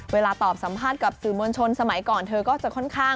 เวลาตอบสัมภาษณ์กับสื่อมวลชนสมัยก่อนเธอก็จะค่อนข้าง